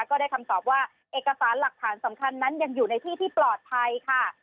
ก็ได้คำตอบว่าเอกสารหลักฐานสำคัญนั้นยังอยู่ในที่ที่ปลอดภัยค่ะ